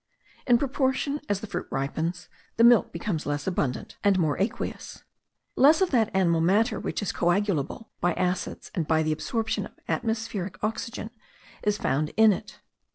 In proportion as the fruit ripens, the milk becomes less abundant, and more aqueous. Less of that animal matter which is coagulable by acids and by the absorption of atmospheric oxygen, is found in it.